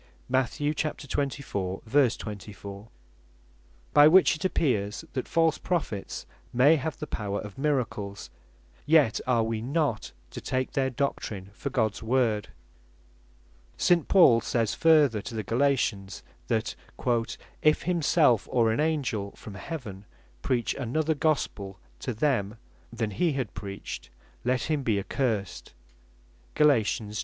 (Mat. 24. 24) By which it appears, that false Prophets may have the power of miracles; yet are wee not to take their doctrin for Gods Word. St. Paul says further to the Galatians, that "if himself, or an Angell from heaven preach another Gospel to them, than he had preached, let him be accursed." (Gal. 1.